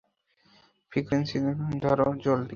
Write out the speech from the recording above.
Frequency ধর, জলদি।